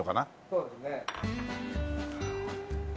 そうですね。